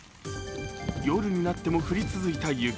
夜になっても降り続いた雪。